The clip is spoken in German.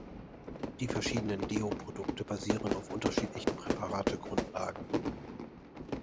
Die verschiedenen Deo-Produkte basieren auf unterschiedlichen Präparate-Grundlagen.